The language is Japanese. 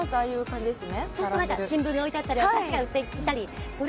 新聞が置いてあったり、お菓子が置いてあったり。